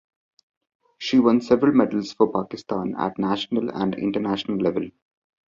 She won several medals for Pakistan at national and international level.